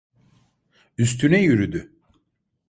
Üstüne yürüdü!